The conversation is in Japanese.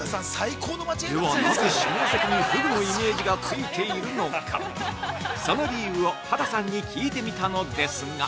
では、なぜ下関にふぐのイメージがついているのかその理由を畑さんに聞いてみたのですが◆